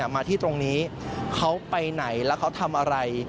มาที่ตรงนี้เขาไปไหนแล้วเขาทำอะไร